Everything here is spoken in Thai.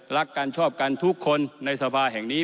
รักกันชอบกันทุกคนในสภาแห่งนี้